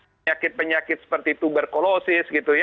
penyakit penyakit seperti tuberkulosis